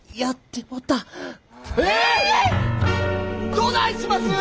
どないします！？